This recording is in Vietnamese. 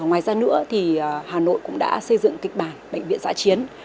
ngoài ra nữa thì hà nội cũng đã xây dựng kịch bản bệnh viện giã chiến